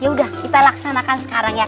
yaudah kita laksanakan sekarang ya